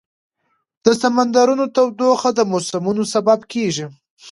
د سمندرونو تودوخه د موسمونو سبب کېږي.